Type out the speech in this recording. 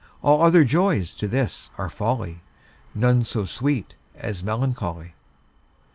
All other joys to this are folly, None so sweet as melancholy.